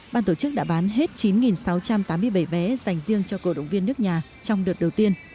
ban tổ chức đã bán hết chín sáu trăm tám mươi bảy vé dành riêng cho cổ động viên nước nhà trong đợt đầu tiên